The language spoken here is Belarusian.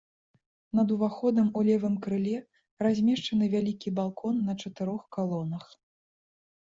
Над уваходам у левым крыле размешчаны вялікі балкон на чатырох калонах.